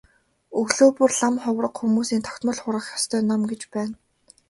Өглөө бүр лам хувраг хүмүүсийн тогтмол хурах ёстой ном гэж байна.